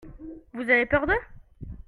Vous avez peur d'eux ?